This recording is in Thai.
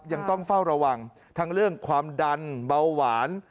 ยังต้องเฝ้าระวังทั้งเรื่องความดันเบาหวาน